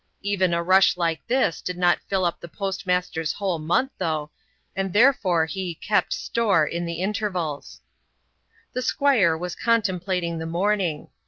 Even a rush like this did not fill up the postmaster's whole month, though, and therefore he "kept store" in the intervals. The Squire was contemplating the morning.